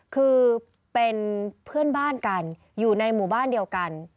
คือเป็นเพื่อนบ้านกันอยู่ในหมู่บ้านเดียวกัน